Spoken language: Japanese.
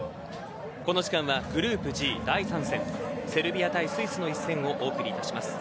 この時間はグループＧ、第３戦セルビア対スイスの一戦をお伝えします。